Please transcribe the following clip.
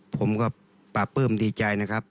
ผมก็ปราบปลื้มดีใจนะครับ